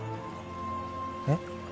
えっ？